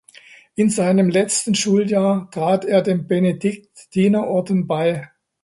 In seinem letzten Schuljahr trat er dem Benediktinerorden bei.